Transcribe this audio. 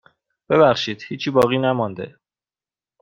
ببخشید هیچی باقی نمانده.